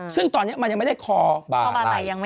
ซึ่งตอนนี้มันยังไม่ได้คอบาลัย